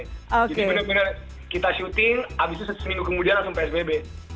jadi bener bener kita syuting abis itu seminggu kemudian langsung psbb